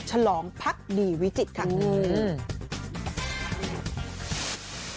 ฉลองพรรคดีวิจิตรค่ะ